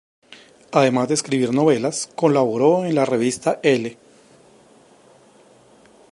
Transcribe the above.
Además de escribir novelas, colabora en la revista Elle.